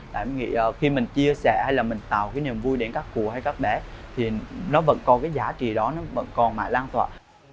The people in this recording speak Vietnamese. tại vì khi mình chia sẻ hay là mình tạo cái niềm vui đến các cụ hay các bé thì nó vẫn còn cái giá trị đó nó vẫn còn mãi lan tỏa